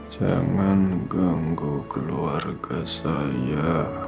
jangan ganggu keluarga saya